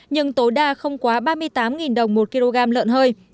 nhưng tối đa không quá ba mươi tám đồng một kg lợn hơi